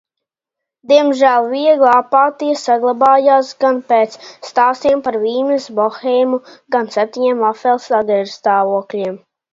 Diemžēl viegla apātija saglabājās gan pēc stāstiem par Vīnes bohēmu, gan septiņiem vafeles agregātstāvokļiem.